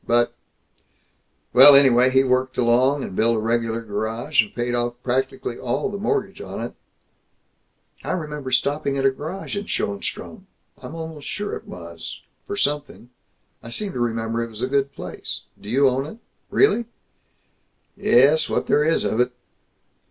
But Well, anyway, he worked along, and built a regular garage, and paid off practically all the mortgage on it " "I remember stopping at a garage in Schoenstrom, I'm almost sure it was, for something. I seem to remember it was a good place. Do you own it? Really?" "Ye es, what there is of it."